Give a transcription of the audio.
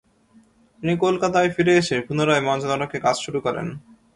তিনি কলকাতায় ফিরে এসে পুনরায় মঞ্চনাটকে কাজ শুরু করেন।